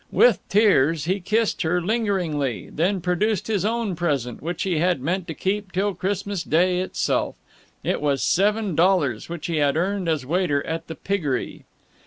With tears, he kissed her, lingeringly, then produced his own present, which he had meant to keep till Christmas Day itself. It was seven dollars, which he had earned as waiter at the piggery.